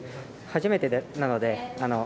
初めてなので。